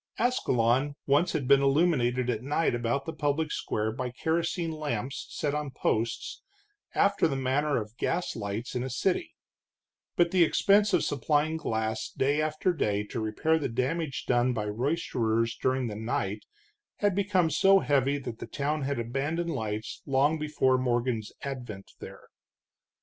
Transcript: Ascalon once had been illuminated at night about the public square by kerosene lamps set on posts, after the manner of gas lights in a city, but the expense of supplying glass day after day to repair the damage done by roysterers during the night had become so heavy that the town had abandoned lights long before Morgan's advent there.